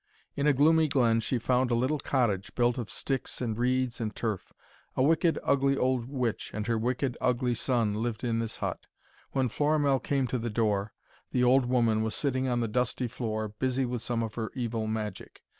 In a gloomy glen she found a little cottage built of sticks and reeds and turf. A wicked, ugly old witch and her wicked, ugly son lived in this hut. When Florimell came to the door, the old woman was sitting on the dusty floor, busy with some of her evil magic.